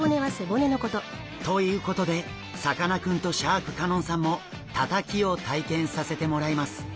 ということでさかなクンとシャーク香音さんもたたきを体験させてもらいます！